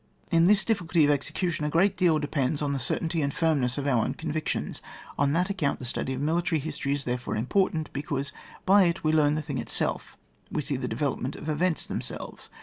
In this difficulty of execution a great deal depends on the certainty and firmness of our own convictions ; on that account, the study of military history is therefore important, because by it we learn the thing itself, we see the development of events themselves.